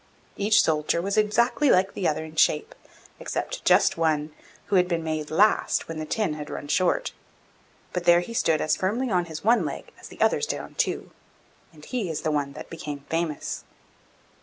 Each soldier was exactly like the other in shape, except just one, who had been made last when the tin had run short; but there he stood as firmly on his one leg as the others did on two, and he is the one that became famous.